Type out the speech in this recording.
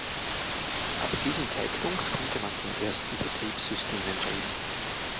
Ab diesem Zeitpunkt konnte man von ersten Betriebssystemen reden.